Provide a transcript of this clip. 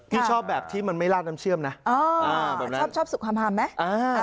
ที่ชอบแบบที่มันไม่ลาดน้ำเชื่อมนะอ๋อแบบนั้นชอบชอบสุขหามไหมอ่า